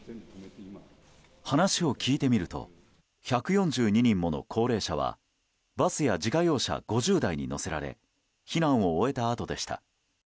話を聞いてみると１４２人もの高齢者はバスや自家用車５０台に乗せられ避難を終えたあとでした。